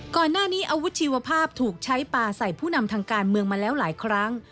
ก่อนหน้านี้อาวุธชีวภาพถูกใช้ปลาใส่ผู้นำทางการเมืองมาแล้วหลายครั้ง